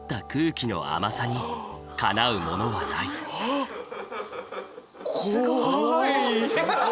あっ怖い！